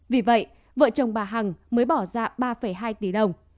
vì vậy vợ chồng bà hằng mới bỏ ra ba hai tỷ đồng